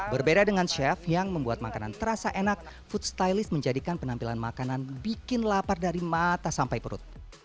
berbeda dengan chef yang membuat makanan terasa enak food stylist menjadikan penampilan makanan bikin lapar dari mata sampai perut